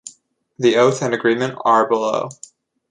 The oath and agreement are below.